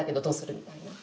みたいな。